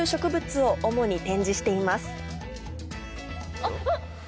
あっ！